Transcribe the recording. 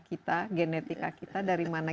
kita genetika kita dari mana